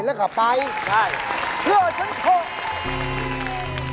เผื่อฉันที่